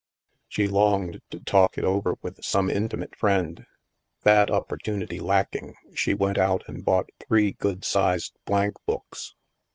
She longed to talk it over with some intimate friend. That opportunity lacking, she went out and bought three good sized blank books.